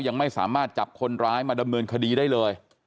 ยังไม่สามารถจับคนร้ายมาดำเนินคดีได้เลย